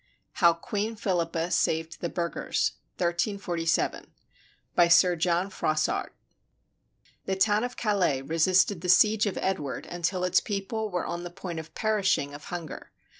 HOW QUEEN PHILIPPA SAVED THE BURGHERS BY SIR JOHN FROISSART [The town of Calais resisted the siege of Edward until its people were on the point of perishing of hunger.